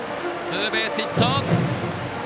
ツーベースヒット！